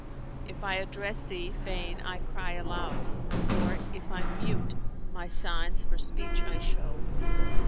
If I address Thee fain I cry aloud; * Or, if I'm mute, my signs for speech I show.